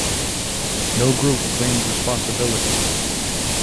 No group claimed responsibility.